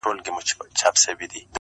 که د سپینو اوبو جام وي ستا له لاسه,